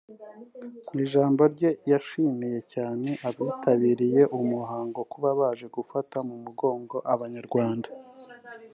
mu ijambo rye yashimiye cyane abitabiriye uwo muhango kuba baje gufata mu mugongo Abanyarwada